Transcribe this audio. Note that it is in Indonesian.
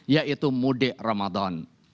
yaitu mudik ramadan